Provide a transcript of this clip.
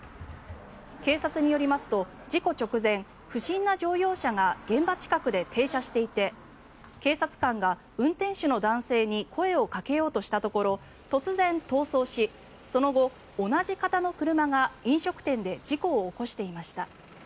警察によりますと事故直前、不審な乗用車が現場近くで停車していて警察官が運転手の男性に声をかけようとしたところ突然逃走しその後、同じ型の車が飲食店で事故を起こしていました。